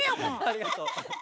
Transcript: ありがとう。